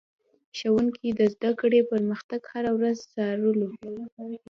ښوونکي د زده کړې پرمختګ هره ورځ څارلو.